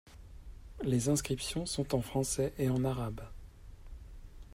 Les inscriptions sont en français et en arabe.